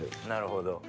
なるほど。